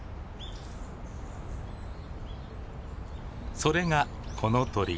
それがこの鳥。